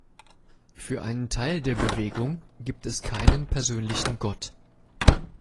Für einen Teil der Bewegung gibt es keinen persönlichen Gott.